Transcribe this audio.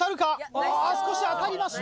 あっ少し当たりましたが。